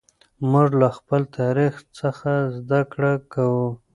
موږ له خپل تاریخ څخه زده کړه کوو.